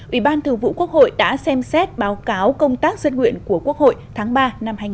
ubthqh đã xem xét báo cáo công tác dân nguyện của quốc hội tháng ba năm hai nghìn hai mươi bốn